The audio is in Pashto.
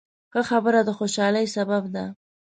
ښه خبره د خوشحالۍ سبب ده.